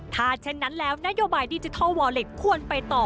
ถ้าเช่นนั้นแล้วนโยบายดิจิทัลวอลเล็กควรไปต่อ